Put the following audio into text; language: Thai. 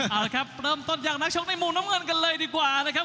เอาละครับเริ่มต้นจากนักชกในมุมน้ำเงินกันเลยดีกว่านะครับ